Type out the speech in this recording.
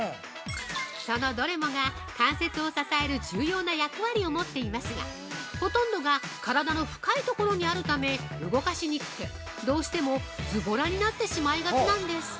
◆そのどれもが、関節を支える重要な役割を持っていますがほとんどが体の深いところにあるため動かしにくくどうしても、ズボラになってしまいがちなんです。